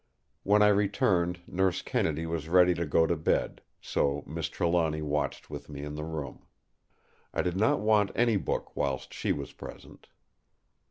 When I returned Nurse Kennedy was ready to go to bed; so Miss Trelawny watched with me in the room. I did not want any book whilst she was present.